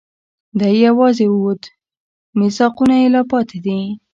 دی یواځي ووت، میثاقونه یې لا پاتې دي